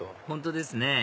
本当ですね